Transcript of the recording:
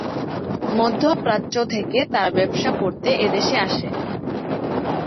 মধ্যপ্রাচ্য থেকে তারা ব্যবসা করতে এদেশে আসে।